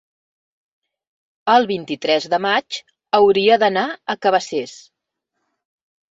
el vint-i-tres de maig hauria d'anar a Cabacés.